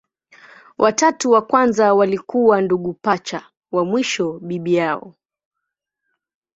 Watatu wa kwanza walikuwa ndugu pacha, wa mwisho bibi yao.